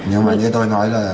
nhưng mà như tôi nói là